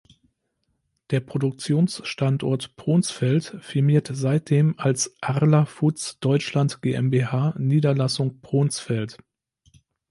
Der Produktionsstandort Pronsfeld firmiert seitdem als „Arla Foods Deutschland GmbH Niederlassung Pronsfeld“.